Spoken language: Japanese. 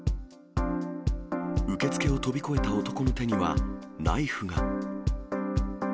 受付を飛び越えた男の手にはナイフが。